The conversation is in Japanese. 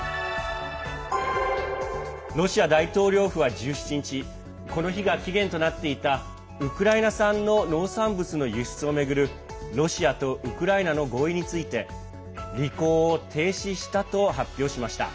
ロシア大統領府は１７日この日が期限となっていたウクライナ産の農産物の輸出を巡るロシアとウクライナの合意について履行を停止したと発表しました。